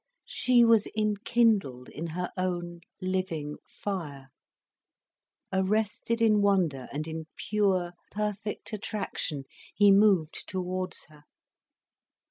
She was enkindled in her own living fire. Arrested in wonder and in pure, perfect attraction, he moved towards her.